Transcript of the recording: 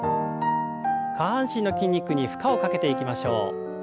下半身の筋肉に負荷をかけていきましょう。